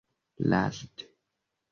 laste